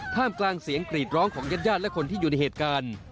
กลางเสียงกรีดร้องของญาติญาติและคนที่อยู่ในเหตุการณ์